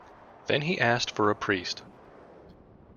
Then he asked for a priest.